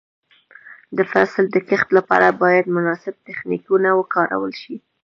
د فصل د کښت لپاره باید مناسب تخنیکونه وکارول شي.